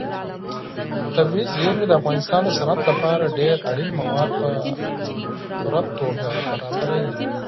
طبیعي زیرمې د افغانستان د صنعت لپاره ډېر اړین مواد په پوره توګه برابروي.